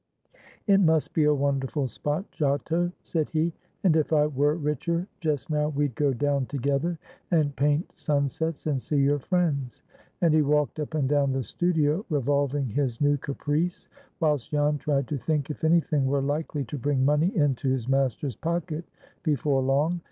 "It must be a wonderful spot, Giotto," said he; "and, if I were richer, just now we'd go down together, and paint sunsets, and see your friends." And he walked up and down the studio, revolving his new caprice, whilst Jan tried to think if any thing were likely to bring money into his master's pocket before long.